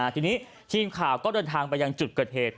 ทีนี้ทีมข่าวก็เดินทางไปยังจุดเกิดเหตุ